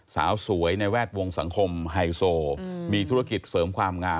สาวสวยในแวดวงสังคมไฮโซมีธุรกิจเสริมความงาม